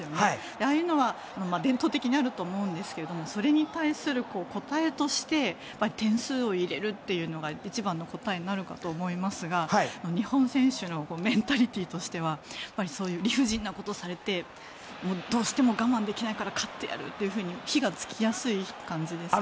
ああいうのは伝統的にあると思うんですけれどもそれに対する答えとして点数を入れるというのが一番の答えになるかと思いますが日本選手のメンタリティーとしてはそういう理不尽なことをされてどうしても我慢できないから勝ってやるって火が付きやすい感じですか？